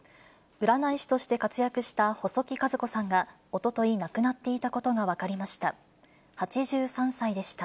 占い師として活躍した細木数子さんが、おととい亡くなっていたことが分かりました。